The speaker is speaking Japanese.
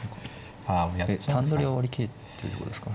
単取りを割り切るっていうことですか。